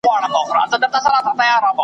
د خدای دوستان تېر سوي .